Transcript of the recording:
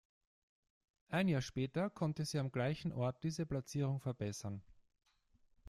Ein Jahr später konnte sie am gleichen Ort diese Platzierung verbessern.